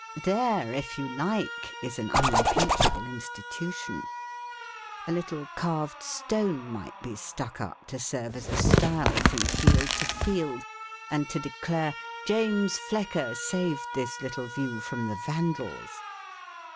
There, if you like, is an unimpeachable institution ! A little carved stone might be stuck up to serve as a stile from field to field and to declare " James Flecker saved this little view from the Van dals."